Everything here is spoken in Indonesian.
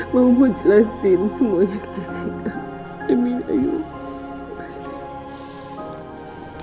mama mau jelasin semuanya ke jessica